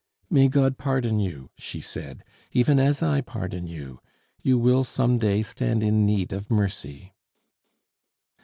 "May God pardon you," she said, "even as I pardon you! You will some day stand in need of mercy."